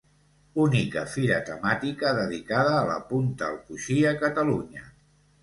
Única fira temàtica dedicada a la punta al coixí a Catalunya.